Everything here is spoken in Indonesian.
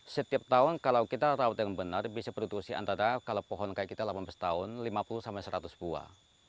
setiap tahun kalau kita rawat yang benar bisa produksi antara kalau pohon kayak kita delapan belas tahun lima puluh sampai seratus buah